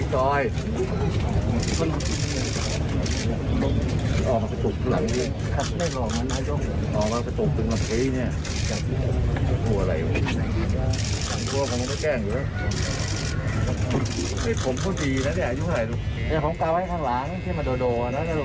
ทำไมไม่ไหวใจผมสีเข้าแหวนเอ้ยไม่ใช่เอาอีกซอย